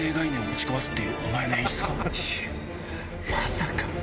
まさか！